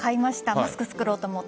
マスク作ろうと思って。